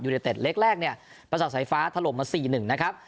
ในเต็ดเล็กแรกเนี่ยประสาทสายฟ้าถล่มมา๔๑นะครับ